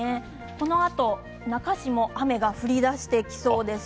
このあと那珂市も雨が降りだしてきそうです。